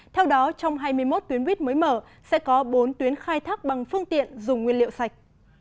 theo đó trong hai mươi một tuyến buýt mới mở sẽ có bốn tuyến khai thác bằng phương tiện dùng nguyên liệu sạch